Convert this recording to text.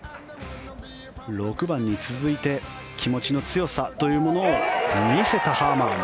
６番に続いて気持ちの強さというものを見せたハーマン。